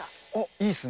いいっすね。